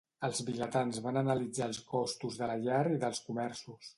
Els vilatans van analitzar els costos de la llar i dels comerços.